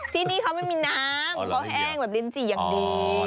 ที่นี่เขาไม่มีน้ำเขาแห้งแบบลิ้นจี่อย่างดี